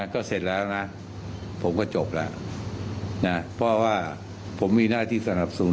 ก็เสร็จแล้วนะผมก็จบแล้วนะเพราะว่าผมมีหน้าที่สนับสน